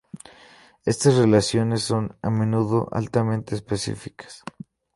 Estas relaciones son a menudo altamente específicas.